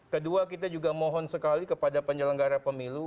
kedua kita juga mohon sekali kepada penyelenggara pemilu